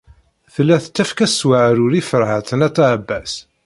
Tella tettakf-as s weɛrur i Ferḥat n At Ɛebbas.